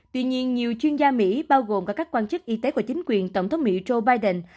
tuy nhiên nhiều chuyên gia mỹ bao gồm cả các quan chức y tế và chính quyền tổng thống mỹ joe biden